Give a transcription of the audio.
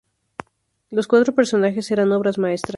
Los cuatro personajes eran obras maestras.